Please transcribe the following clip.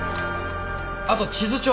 あと地図帳。